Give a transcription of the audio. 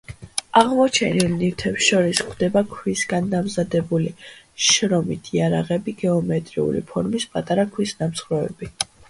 აღმოჩენილ ნივთებს შორის გვხვდება ქვისგან დამზადებული შრომის იარაღები, გეომეტრიული ფორმის პატარა ქვის ნამსხვრევები.